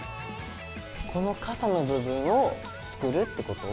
この傘の部分を作るってこと？